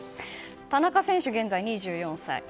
田中選手、現在２４歳。